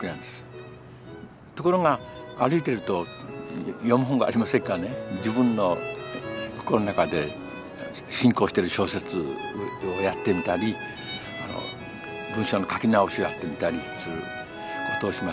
ところが歩いてると読む本がありませんからね自分の心の中で進行してる小説をやってみたり文章の書き直しをやってみたりすることをします。